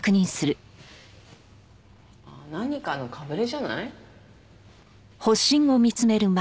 何かのかぶれじゃない？